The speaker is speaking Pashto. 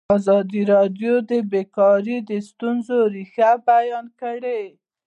ازادي راډیو د بیکاري د ستونزو رېښه بیان کړې.